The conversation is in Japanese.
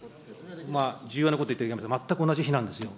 重要なこと言ってるけど、全く同じ日なんですよ。